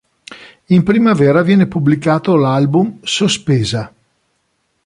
In primavera viene pubblicato l'album "Sospesa".